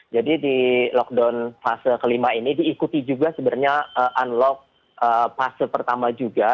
jadi di lockdown fase kelima ini diikuti juga sebenarnya unlock fase pertama juga